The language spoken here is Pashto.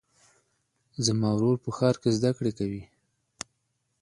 زما ورور په ښار کې زده کړې کوي.